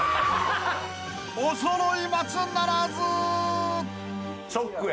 ［おそろい松ならず！］